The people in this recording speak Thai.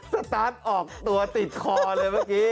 สตาร์ทออกตัวติดคอเลยเมื่อกี้